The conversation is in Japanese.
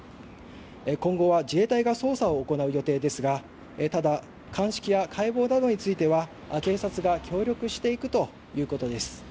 今後は自衛隊が捜査を行う予定ですがただ、鑑識や解剖などについては警察が協力していくということです